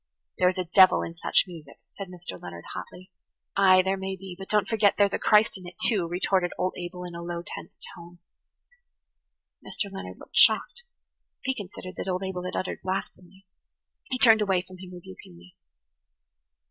"There is a devil in such music," said Mr. Leonard hotly. "Ay, there may be, but don't forget that there's a Christ in it, too," retorted old Abel in a low tense tone. Mr. Leonard looked shocked; he considered that old Abel had uttered blasphemy. He turned away from him rebukingly.